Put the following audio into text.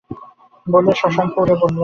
বলে শশাঙ্ক উঠে পড়ল।